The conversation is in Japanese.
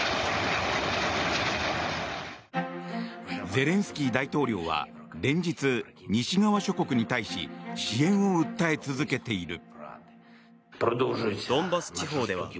ゼレンスキー大統領は連日、西側諸国に対し支援を訴え続けている。